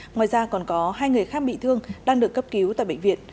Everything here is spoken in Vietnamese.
ngoài ra còn có hai người khác bị thương đang được cấp cứu tại bệnh viện